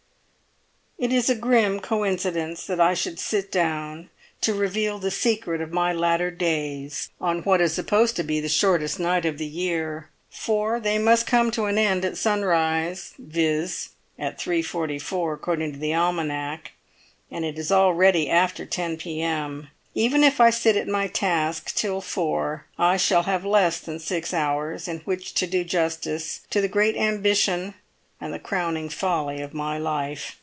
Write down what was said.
"It is a grim coincidence that I should sit down to reveal the secret of my latter days on what is supposed to be the shortest night of the year; for they must come to an end at sunrise, viz., at 3.44 according to the almanac, and it is already after 10 p.m. Even if I sit at my task till four I shall have less than six hours in which to do justice to the great ambition and the crowning folly of my life.